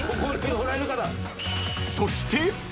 ［そして］